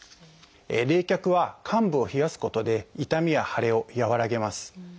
「冷却」は患部を冷やすことで痛みや腫れを和らげます。